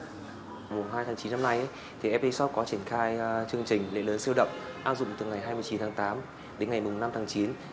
vào mùa hai tháng chín năm nay fa shop có triển khai chương trình lễ lớn siêu đậm áp dụng từ ngày hai mươi chín tháng tám đến ngày năm tháng chín